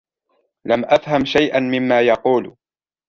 لم أفهم شيئا مما يقول